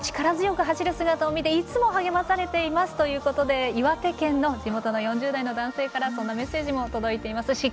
力強く走る姿を見ていつも励まされていますということで岩手県の４０代の男性からそんなメッセージも届いています。